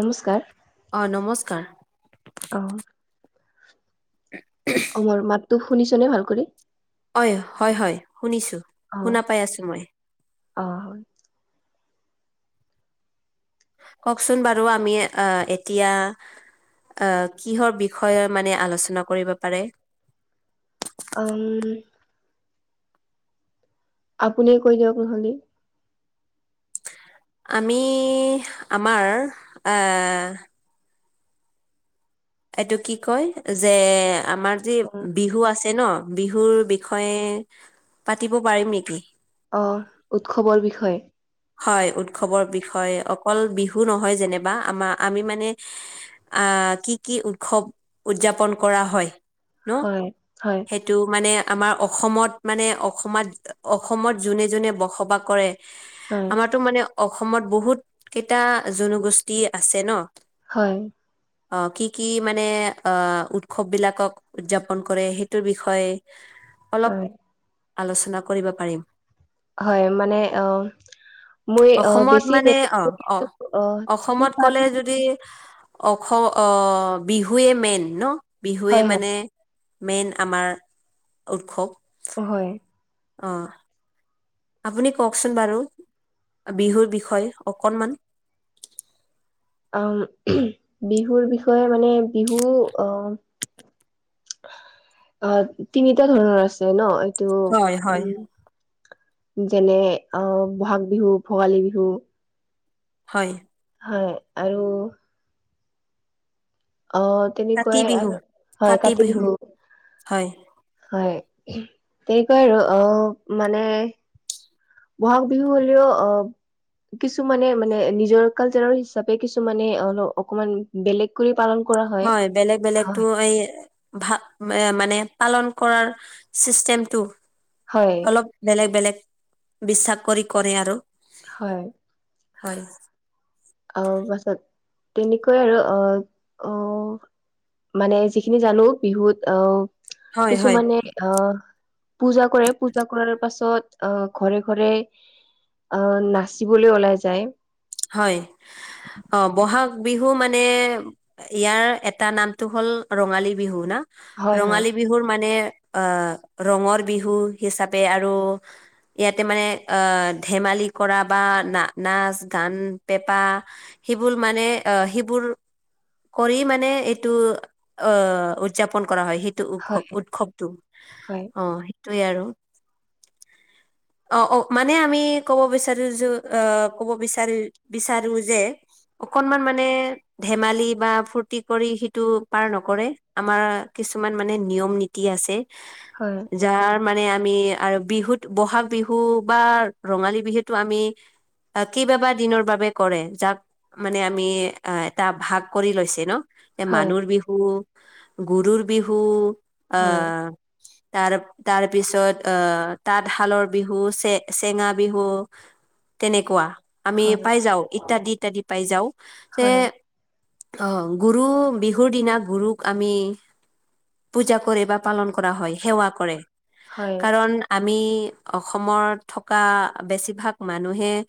নমস্কাৰ অ নমস্কাৰ অ',। অ', মোৰ মাতটো শুনিছনে ভাল কৰি? হয়', হয়', হয়', শুনিছো অ শুনা পাই আছো মই। অ হয় কওকচোন বাৰু আমি এতিয়া আ', কিহৰ বিষয়ে মানে আলোচনা কৰিব পাৰে। অম'। আপুনিয়ে কৈ দিয়ক নহ'লি। আমি আমাৰ এ' এইটো কি কয়? যে আমাৰ যি অ বিহু আছে ন'। বিহুৰ বিষয়ে পাতিব পাৰিম নেকি? অ', উৎসৱৰ বিষয়ে। হয়', উৎসৱৰ বিষয়, অকল বিহু নহয় যেনেবা আমাৰ আমি মানে আ', কি কি উৎসৱ উদযাপন কৰা হয়? হয়, হয়। এইটো মানে আমাৰ অসমত, মানে অসমত, অসমত যোনে যোনে বসবাস কৰে। হয় টো মানে অসমত বহুত কেইটা জনগোষ্ঠী আছে ন'। হয়। অ' কি কি মানে অ' উৎসৱ বিলাকক উদযাপন কৰে সেইটোৰ বিষয়ে অলপ হয় আলোচনা কৰিব পাৰিম। হয় মানে অ'। মই অ অসমত বেছি মানে নেজানো অ' কিন্তু অ' যিখিনি অসমত পাৰো কলে যদি অস অ' বিহুৱে মেইন ন', বিহুৱে হয় হয় মানে মেইন আমাৰ উৎসৱ। হয়। অ'। আপুনি কওঁকচোন বাৰু বিহুৰ বিষয়ে অকনমান। অ' বিহুৰ বিষয়ে মানে বিহু অ অ' তিনিটা ধৰণৰ আছে ন' এইটো হয় হয় উম'। যেনে অ' বহাগ বিহু, ভোগালী বিহু। হয়। হয় আৰু অ' কাতি তেনেকুৱাই বিহু আৰু, হয় কাতি বিহু। হয় হয় তেনেকুৱাই অ' মানে বহাগ বিহু হলেওঁ অ' কিছুমানে মানে নিজৰ কালচাৰৰ হিচাপে কিছুমানে অল অকমান বেলেগ কৰি পালন কৰা হয়। হয়, বেলেগ বেলেগতো হয় এই ভা মানে পালন কৰাৰ চিষ্টেমটো হয় অলপ বেলেগ বেলেগ, বিশ্বাস কৰি কৰে আৰু। হয়। হয়। অ' পাছত তেনেকৈ আৰু অ, অ'। মানে যিখিনি জানো বিহুত, অ' হয় হয় কিছুমানে অ' পূজা কৰে পূজা কৰাৰ পাছত অ' ঘৰে ঘৰে অ' নাচিবলৈ ওলাই যায়। হয়' অ' বহাগ বিহু মানে ইয়াৰ এটা নামটো হল ৰঙালী বিহু না? হয় হয় ৰঙালী বিহুৰ মানে আ ৰঙৰ বিহু হিচাপে আৰু ইয়াতে মানে আ ধেমালি কৰা বা না নাচ গান, পেপা সেইবোৰ মানে আ সেইবোৰ কৰি মানে এইটো অ' উদযাপন কৰা হয়। উৎসৱ উৎসৱটো হয় হয় অ' হেইটোৱে আৰু। অ' অ' মানে আমি কব বিচাৰো যো অ' কব বিচাৰি বিচাৰো যে অকণমান মানে ধেমালি বা ফুৰ্তি কৰি সিটো পাৰ নকৰে আমাৰ কিছুমান মানে নিয়ম দি আছে। হয়। যা আৰু মানে আমি আৰু বিহুত বহাগ বিহু বা ৰঙালী বিহুতো আমি কিবা বা দিনৰ কৰে যাক - মানে আমি আঁহ' এটা ভাগ কৰি লৈছে ন। এ হয় মানুুৰ বিহু, গৰুৰ বিহু হয় আঁহ', - তাৰ-তাৰপিছত আঁহ', তাঁতশালৰ - বিহু চে-চেঙা বিহু তেনেকুৱা আমি হয়, পাই যাওঁ ইত্যাদি-ইত্যাদি। পাই যাওঁ, যে হয়, অ', গৰু বিহুৰ দিনা গৰুক আমি - পূজা কৰে বা পালন কৰা হয় সেৱা কৰে। হয়, কাৰণ আমি - অসমৰ থকা বেছিভাগ মানুহে -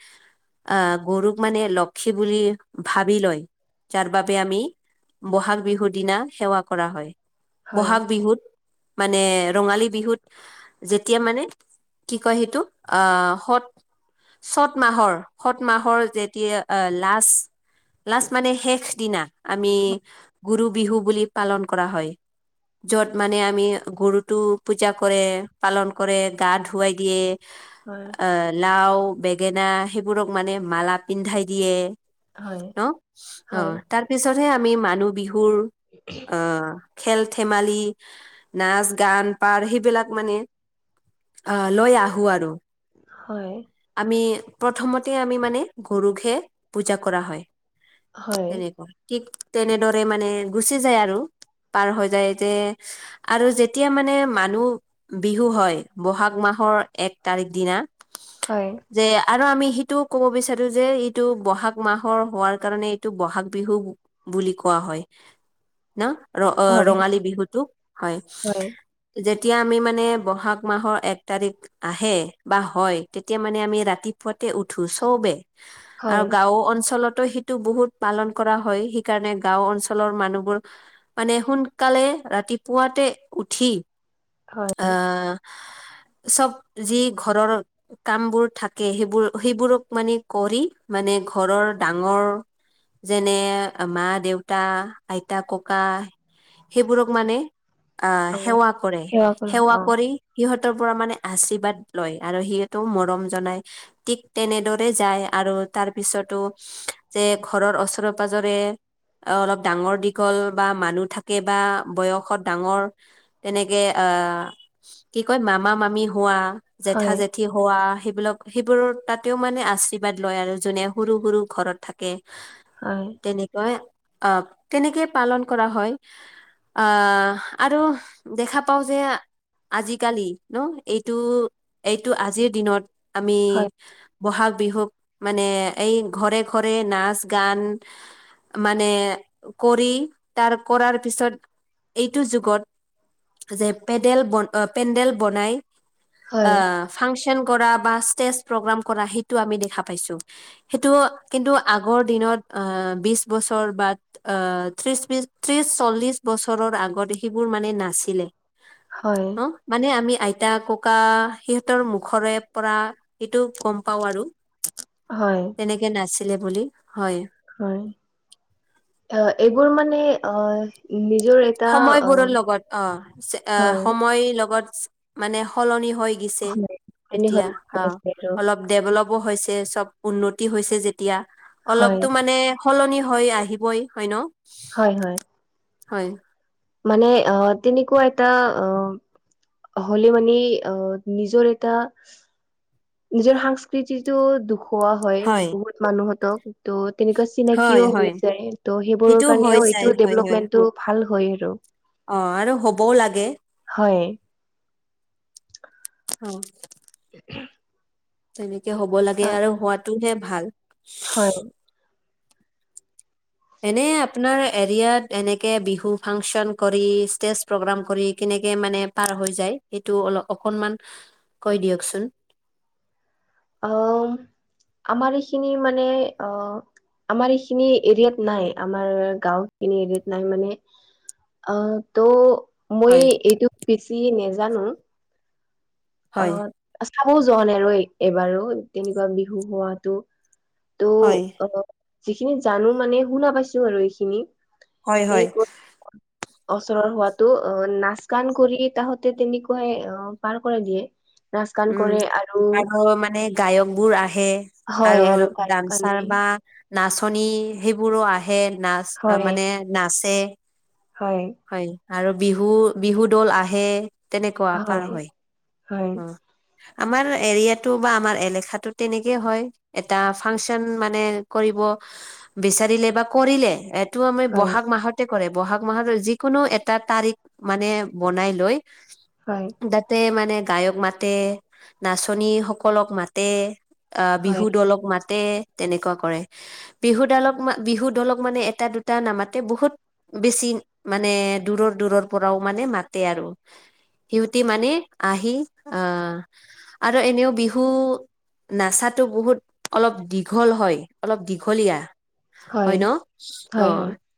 আঁহ', গৰুক মানে লক্ষী বুলি ভাবি লয়, যাৰ বাবে আমি- বহাগ বিহুৰ দিনা সেৱা কৰা হয়। হয়, বহাগ বিহুত মানে ৰঙালী বিহুত যেতিয়া মানে - কি কয় সেইটো আঁহ', সত - চত মাহৰ, সত মাহৰ যেতিয়া লাষ্ট - লাষ্ট মানে শেষ দিনা আমি গুৰু বিহু বুলি পালন কৰা হয়। য'ত মানে আমি গৰুতো পূজা কৰে, পালন কৰে গা ধু - ৱাই দিয়ে। হয়। এ' লাও, বেঙেনা সেইবোৰক মানে মালা পিন্ধাই দিয়ে- হয়, ন। হয়, অ', তাৰপিছত'হে আমি মানুহ বিহুৰ আঁহ', - খেল-ধেমালি, নাচ, গান, পাৰ সেইবিলাক মানে - আ' লৈ আহো আৰু। হয়। আমি প্ৰথমতে আমি মানে গৰুকহে পূজা কৰা হয়। হয়, তেনেকুৱা। ঠিক তেনেদৰে মানে গুচি যায় আৰু, পাৰ হৈ যায় যে - আৰু যেতিয়া মানে মানুহ বিহু হয়- বহাগ মাহৰ এক তাৰিখ দিনা। হয়। যে আৰু আমি সেইটোও ক'ব বিচাৰো যে এইটো বহাগ মাহৰ হোৱাৰ কাৰণে এইটো বহাগ বিহু - বুলি কোৱা হয়। ন' হয়, ৰ-ৰঙালী বিহুতটোক হয়। যেতিয়া আমি মানে বহাগ - মাহৰ এক তাৰিখ আহে বা হয় তেতিয়া মানে আমি ৰাতিপুৱাতে উঠো চবেই। আৰু হয়, গাঁও অঞ্চলতো সেই- টো বহুত পালন কৰা হয় সেইকাৰণে গাঁও অঞ্চলৰ মানুহবোৰ - মানে সোনকালে ৰাতিপুৱাতে উঠি হয়, আঁহ', - চব যি ঘৰৰ - কামবোৰ থাকে সেইবোৰ-সেইবোৰক মানে কৰি মানে ঘৰৰ ডাঙৰ - যেনে- মা, দেউতা, আইতা, ককা সেইবোৰক মানে - আঁহ' আমি সেৱা কৰে, কৰো সেৱা অ, কৰি - সিহঁতৰ পৰা মানে আশীৰ্বাদ লয় আৰু সিহঁতেও মৰম জনাই- ঠিক তেনেদৰে যায়। আৰু তাৰ পিছতো - যে ঘৰৰ ওচৰে-পাজৰে - অ' অলপ ডাঙৰ-দীঘল বা মানুহ থাকে বা বয়সত ডাঙৰ - তেনেকে আঁহ', কি কয় মামা-মামি হোৱা হয়, জেঠা-জেঠী - হোৱা সেইবিলাক সেইবোৰৰ তা'তেও মানে আশীৰ্বাদ লয় আৰু যোনে সৰু-সৰু ঘৰত থাকে। [inaudible] হয়। তেনেকুৱাই, অ তেনেকে পালন কৰা হয়। আহ আৰু দেখা পাওঁ যে আজিকালি ন এইটো এইটো আজিৰ দিনত আমি হয়, বহাগ বিহুক মানে এই ঘৰে-ঘৰে নাচ-গান মানে কৰি তাৰ কৰাৰ পিছত এইটো যুগত যে পেডেল বন অ পেন্ডেল বনাই আ হয়, ফাংচন কৰা বা ষ্টেজ প্ৰগ্ৰাম কৰা সেইটো আমি দেখা পাইছো। সেইটো কিন্তু আগৰ দিনত আহ বিছ বছৰ বা অ, ত্ৰিশ-বিছ, ত্ৰিশ, চল্লিশ বছৰৰ আগত সেইবোৰ মানে নাছিলে। হয়। ন মানে আমি আইতা, ককা সিহঁতৰ মুখৰে পৰা এইটো গম পাও আৰু। হয়। তেনেকে নাছিলে বুলি, হয়। হয়। অ এইবোৰ মানে অ নিজৰ এটা অ, সময়বোৰৰ লগত অ অ হয়, সময় লগত মানে সলনি হৈ গিছে হয়, কাহিনী হৈ এতিয়া গৈ অ আছে আৰু অলপ ডেভলবো হৈছে চব উন্নতি হৈছে যেতিয়া হয়, অলপতো মানে সলনি হৈ আহিবই, হয় ন? হয় হয়। হয়। মানে অ তেনেকুৱা এটা অ হলে মানে অ নিজৰ এটা নিজৰ সংস্কৃতিটো দখুৱা হয় বহুত মানুহ হতক ত তেনেকুৱা হয় চিনাকিও হৈ হয় যাই, ত' সেইটো সেইবোৰৰ হৈ কাৰণেও যায় এইটো হয় হয় ডেভলপমেন্টটো ভাল হয় আৰু। অ আৰু হ'বও লাগে। হয়। অ। [inaudible] তেনেকে হ'ব লাগে আৰু হোৱাটোহে ভাল। হয়। এনে আপোনাৰ এৰিয়াত এনেকে বিহু ফাংচন কৰি, ষ্টেজ প্ৰগ্ৰাম কৰি কেনেকে মানে পাৰ হৈ যায় সেইটো অলপ অকনমান কৈ দিয়কচোন। অউম আমাৰ এইখিনি মানে অ আমাৰ এইখিনি এৰিয়াত নাই। আমাৰ গাওঁখিনি এৰিয়াত নাই মানে অ ত' মই হয় এইটো বেছি নেজানো। অ হয়, চাবও যোৱা নাই আৰু এইবাৰো তেনেকুৱা বিহু হোৱাতো। হয়, ত' অ যিখিনি জানো মানে শুনা পাইছো আৰু এইখিনি। হয়, হয়, [unintelligible] ওচৰৰ হোৱাতো অ নাচ-গান কৰি তাহতে তেনেকুৱাই অ পাৰ কৰে দিয়ে। নাচ গান উম কৰে আৰু মানে গায়কবোৰ আহে। হয় আৰু গায়ক আনে ডাঞ্চাৰ বা নাচনী সেইবোৰো আহে নাচ হয় অ'মানে নাচে। হয়। হয়, আৰু বিহু, বিহু দ'ল আহে তেনেকুৱা পাৰ হয়। হয় অ' আমাৰ এৰিয়াটো বা আমাৰ এলেখাটো তেনেকেই হয়। এটা ফাংচন মানে কৰিব বিচাৰিলে বা কৰিলে এট টো আমি হয় ব'হাগ মাহত কে কৰে ব'হাগ মাহৰ যিকোনো এটা তাৰিখ মানে বনাই লৈ হয়। যাতে মানে গায়ক মাতে নাচনী সকলক মাতে অ' হয় বিহু দলক মাতে তেনেকুৱা কৰে। বিহু দালক মা বিহু দলক মানে এটা, দুটা নামাতে বহুত বেছি মানে দূৰৰ, দূৰৰ পৰাও মানে মাতে আৰু। সিহতি মানে আহি আহ, আৰু এনেও বিহু নাচাটো বহুত অলপ দীঘল হয় অলপ দীঘলীয়া। হয় ন' অ। হয়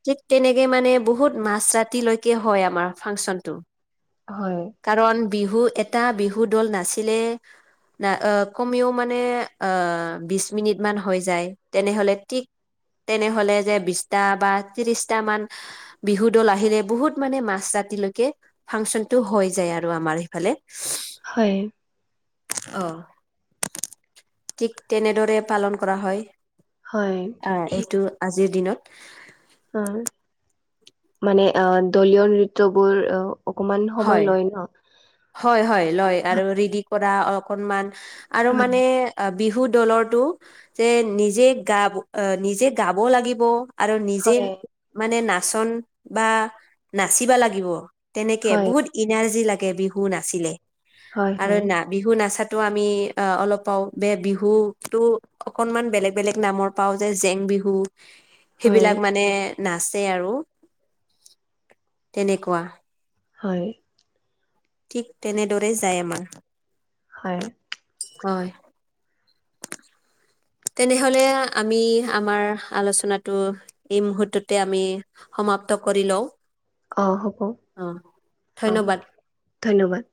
ঠিক তেনেকে মানে বহুত মাছ ৰাতিলৈকে হয় আমাৰ ফাংচন টো। হয়। কাৰণ বিহু এটা বিহু দল নাছিলে না অ' ক'মেও মানে অ' বিছ মিনিটমান হৈ যায় তেনেহ'লে তিক তেনেহ'লে যে বিছটা বা ত্ৰিৰিছটা মান বিহু দল আহিলে বহুত মানে মাছ ৰাতিলৈকে ফাংচনটো হৈ যায় আৰু আমাৰ এইফালে। হয়। অ' তিক তেনেদৰে পালন কৰা হয়। হয়। আ, এইটো আজিৰ দিনত অ'মানে আহ, দলীয় নৃত্যবোৰ অ' অকমান হয় সময় লয় ন' হয়, হয়, লয় আৰু ৰেডি কৰা অ' অকনমান আৰু হয় মানে আ বিহু দলৰটো যে নিজে গাবু নিজে গাব লাগিব আৰু নিজে হয় মানে নাচন বা নাচিবা লাগিব তেনেকে হয় বহুত ইনাৰ্জি লাগে বিহু নাচিলে হয় আৰু না বিহু নাচাতো আমি অ'অলপ পাও বে বিহুটো অকনমান বেলেগ-বেলেগ নামৰ পাওঁ যে জেং বিহু [inaudible] সেইবিলাক মানে নাচে আৰু তেনেকুৱা। হয়। ঠিক তেনেদৰে যায় আমাৰ। হয়। হয়। [inaudible] তেনেহ'লে আমি আমাৰ আলোচনাটো এই মূহৰৰ্ততে আমি সমাপ্ত কৰি লওঁ? অ'হ'ব অ ধন্যবাদ অ'ধন্যবাদ।